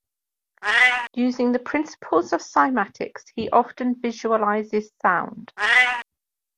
Using the principles of Cymatics he often visualizes sound.